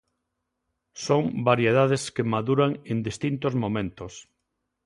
Son variedades que maduran en distintos momentos.